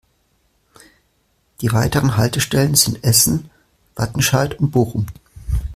Die weiteren Haltestellen sind Essen, Wattenscheid und Bochum.